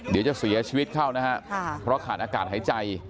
เดี๋ยวจะเสียชีวิตเข้านะครับเพราะขาดอากาศหายใจ